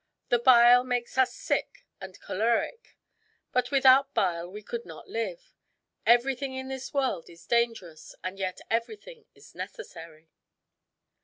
The bile makes us sick and choleric; but without bile we could not live. Everything in this world is dangerous, and yet everything is necessary."